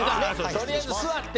とりあえずすわって。